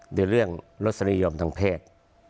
หรือเรื่องรสนิยมทางเพศ